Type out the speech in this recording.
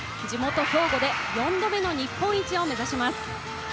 地元・兵庫で４度目の日本一を目指します。